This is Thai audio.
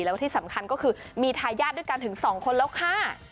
แล้วที่สำคัญก็คือมีทายาทด้วยกันถึง๒คนแล้วค่ะ